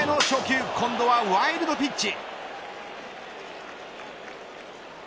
大山への初球今度はワイルドピッチ。